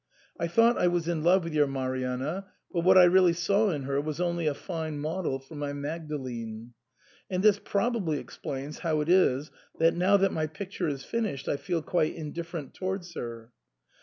I thought I was in love with your Marianna, but what I really saw in her was only a fine model for my * Mag dalene.' And this probably explains how it is that, now that my picture is finished, I feel quite indifferent towards her."